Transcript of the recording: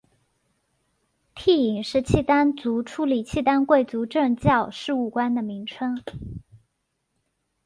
惕隐是契丹族处理契丹贵族政教事务官的名称。